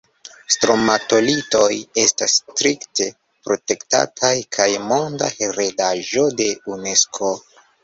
Stromatolitoj estas strikte protektataj kaj Monda heredaĵo de Unesko.